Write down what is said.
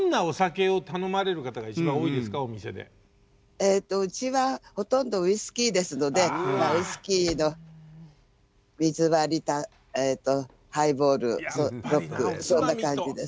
えとうちはほとんどウイスキーですのでウイスキーの水割りハイボールロックそんな感じです。